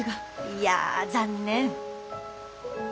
いや残念。